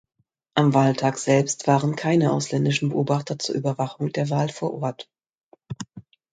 Am Wahltag selbst waren keine ausländischen Beobachter zur Überwachung der Wahl vor Ort.